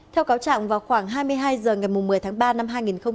theo cáo trạng vào khoảng hai mươi hai h ngày một mươi tháng ba năm hai nghìn hai mươi